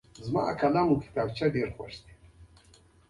خلک باید د خپل ژوند فیصلې وکړي.